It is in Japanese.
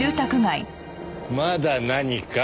まだ何か？